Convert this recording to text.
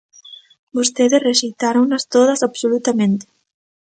Vostedes rexeitáronas todas absolutamente.